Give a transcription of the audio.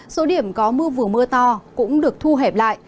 số điểm có mưa vừa mưa to cũng được thu hẹp lại